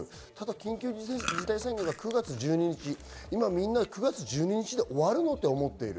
緊急事態宣言は９月１２日にみんな終わるの？と思っている。